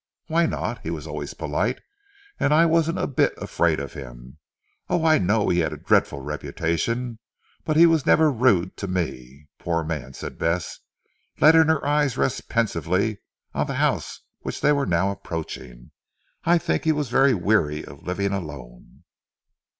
"Why not! He was always polite, and I wasn't a bit afraid of him. Oh, I know he had a dreadful reputation, but he was never rude to me. Poor man," said Bess letting her eyes rest pensively on the house which they were now approaching, "I think he was very weary of living alone."